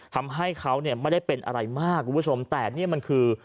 ทำให้เขาเนี่ยไม่ได้เป็นอะไรมากคุณผู้ชมแต่นี่มันคือ